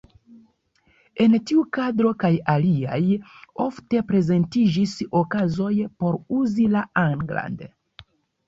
En tiu kadro kaj aliaj, ofte prezentiĝis okazoj por uzi la anglan.